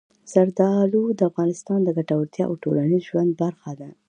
زردالو د افغانانو د ګټورتیا او ټولنیز ژوند برخه ده.